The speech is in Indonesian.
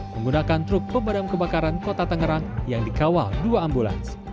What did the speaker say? menggunakan truk pemadam kebakaran kota tangerang yang dikawal dua ambulans